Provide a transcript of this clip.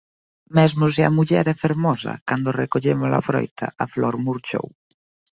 Mesmo se a muller é fermosa, cando recollemo-la froita, a flor murchou.